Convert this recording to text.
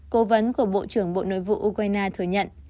cố vấn của bộ trưởng bộ nội vụ ukraine thừa nhận